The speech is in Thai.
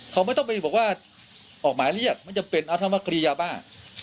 เขาไม่ต้องไปบอกว่าออกหมายเรียกไม่จำเป็นเอาถ้ามาเคลียร์ยาบ้า